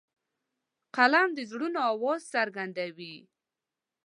قلم د زړونو آواز څرګندوي